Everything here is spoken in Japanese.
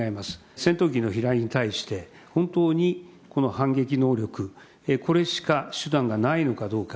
戦闘機の飛来に対して、本当にこの反撃能力、これしか手段がないのかどうか。